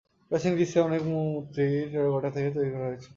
প্রাচীন গ্রীসে, অনেক মূর্তি টেরাকোটা থেকে তৈরি করা হয়েছিল।